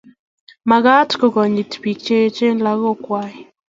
mekat ko konyit biik che echen lagok kwak